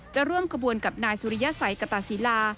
จะร่วมขบวนกับนายสุริยสัยกตาศิลา